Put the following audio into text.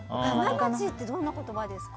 花街って、どんな言葉ですか？